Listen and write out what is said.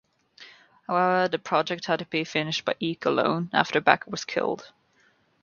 However the project had to be finished by Eek alone after Backer was killed.